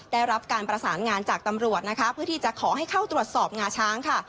ได้รับการประสานงานจากตำรวจนะคะเพื่อที่จะขอให้เข้าตรวจสอบงาช้างค่ะ